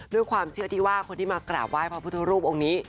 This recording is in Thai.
ด้วยความเชื่อที่ว่าคนที่มากราบไห้พระพุทธรูปองค์นี้